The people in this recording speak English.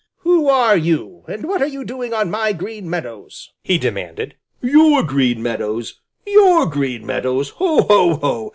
"Who are you and what are you doing on my Green Meadows?" he demanded. "Your Green Meadows! Your Green Meadows! Ho, ho, ho!